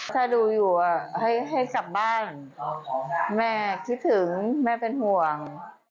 ถ้าดูอยู่ให้กลับบ้านแม่คิดถึงแม่เป็นห่วง